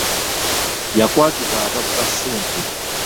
Yakwatibwa abba ssente.